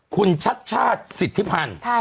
คุณชัดชาติสิทธิพันธ์